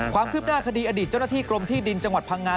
ความคืบหน้าคดีอดีตเจ้าหน้าที่กรมที่ดินจังหวัดพังงา